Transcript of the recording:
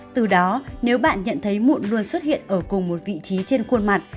từ đó nếu bạn nhận thấy mụn luôn xuất hiện ở cùng một vị trí trên khuôn mặt